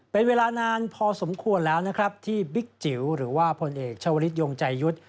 เป็นเวลานานพอสมควรแล้วนะครับที่บิ๊กจิ๋วหรือว่าพลเอกชาวลิศยงใจยุทธ์